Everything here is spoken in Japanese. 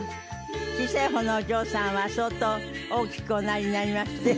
小さい方のお嬢さんは相当大きくおなりになりまして。